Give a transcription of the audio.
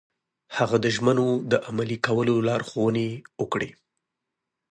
هغه د ژمنو د عملي کولو لارښوونې وکړې.